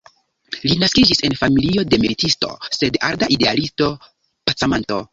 Li naskiĝis en familio de militisto sed arda idealisto-pacamanto.